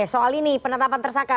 soal ini penetapan tersangka